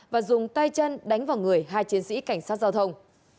và dùng tay chân đánh vào người hai chiến sĩ cảnh sát giao thông